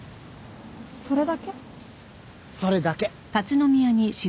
それだけ。